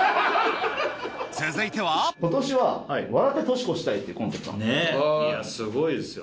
続いては今年は「笑って年越したい‼」っていうコンセプトなんですよ。